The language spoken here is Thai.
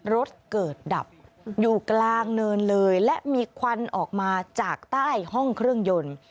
รถเกิดดับอยู่กลางเนินเลยและมีควันออกมาจากใต้ห้องเครื่องยนต์